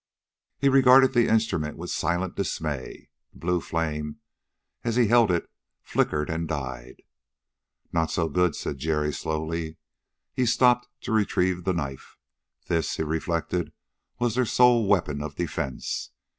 He regarded the instrument with silent dismay. The blue flame, as he held it, flickered and died. "Not so good!" said Jerry slowly. He stopped to retrieve the knife. This, he reflected, was their sole weapon of defense.